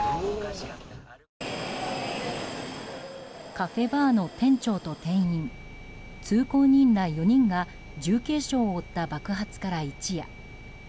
カフェバーの店長と店員通行人ら４人が重軽傷を負った爆発から一夜。